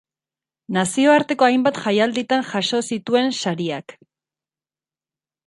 Nazioarteko hainbat jaialditan jaso zituen sariak.